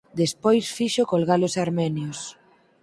Despois fixo colga-los armenios.